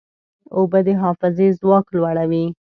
اوبه د حافظې ځواک لوړوي.